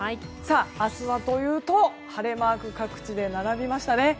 明日はというと晴れマークが各地で並びました。